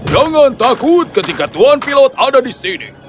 jangan takut ketika tuhan pilot ada di sini